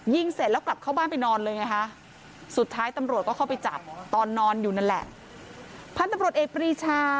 ยิงเสร็จแล้วกลับเข้าบ้านไปนอนเลยไงพันธมรตเอปรีชา